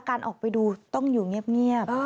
การออกไปดูต้องอยู่เงียบ